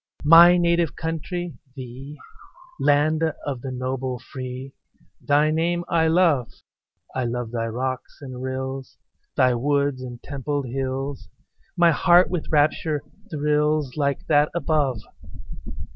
My native country, thee Land of the noble free Thy name I love; I love thy rocks and rills, Thy woods and templed hills; My heart with rapture thrills, Like that above.